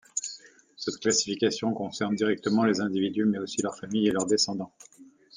Cette classification concerne directement les individus mais aussi leurs familles et leurs descendants.